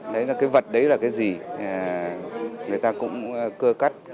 đấy là cái vật đấy là cái gì người ta cũng cơ cắt